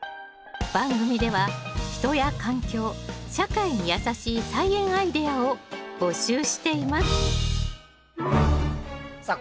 番組では人や環境社会にやさしい菜園アイデアを募集していますさあ